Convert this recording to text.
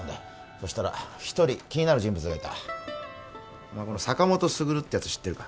そしたら一人気になる人物がいたこの坂本卓ってやつ知ってるか？